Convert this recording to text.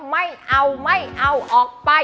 ไม่เอาไม่เอาออกไป